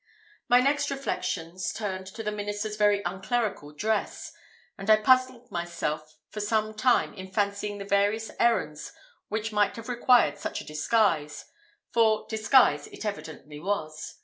My next reflections turned to the minister's very unclerical dress, and I puzzled myself for some time in fancying the various errands which might have required such a disguise for disguise it evidently was.